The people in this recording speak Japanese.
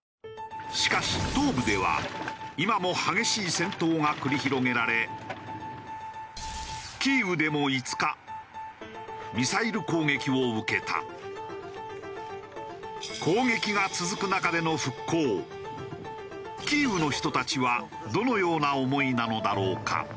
しかし東部では今も激しい戦闘が繰り広げられキーウでも５日キーウの人たちはどのような思いなのだろうか？